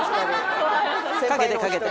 かけてかけて。